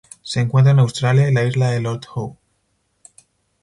Se encuentra en Australia y la isla de Lord Howe.